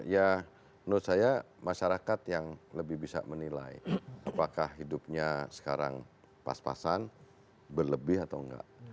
ya menurut saya masyarakat yang lebih bisa menilai apakah hidupnya sekarang pas pasan berlebih atau enggak